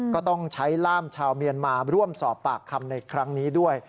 ก็ต้องใช้ล่ามชาวเมียนมาร่วมสอบปากคำในครั้งนี้ด้วย